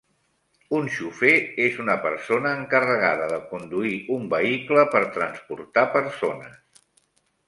Un xòfer és una persona encarregada de conduir u vehicle per transportar persones